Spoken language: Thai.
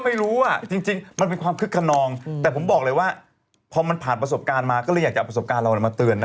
ไม่รู้อ่ะจริงมันเป็นความคึกขนองแต่ผมบอกเลยว่าพอมันผ่านประสบการณ์มาก็เลยอยากจะเอาประสบการณ์เรามาเตือนนะ